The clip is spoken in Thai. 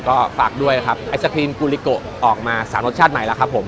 ก็ฝากด้วยนะครับไอศครีมกูลิโกออกมา๓รสชาติใหม่แล้วครับผม